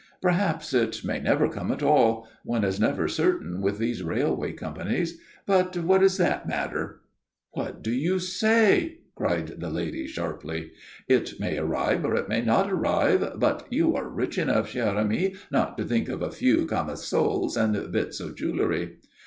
Perhaps it may never come at all. One is never certain with these railway companies. But what does that matter?" "What do you say?" cried the lady, sharply. "It may arrive or it may not arrive; but you are rich enough, chère amie, not to think of a few camisoles and bits of jewellery."